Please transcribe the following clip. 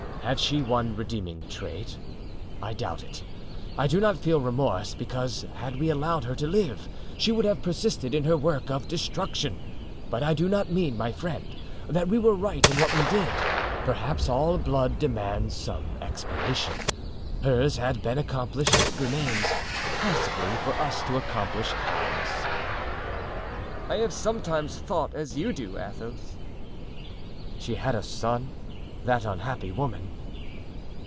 Had she one redeeming trait? I doubt it. I do not feel remorse, because had we allowed her to live she would have persisted in her work of destruction. But I do not mean, my friend that we were right in what we did. Perhaps all blood demands some expiation. Hers had been accomplished; it remains, possibly, for us to accomplish ours." "I have sometimes thought as you do, Athos." "She had a son, that unhappy woman?"